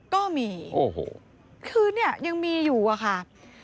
ก็มีคือเนี่ยยังมีอยู่อะค่ะโอ้โห